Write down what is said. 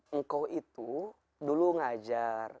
engkau itu dulu mengajar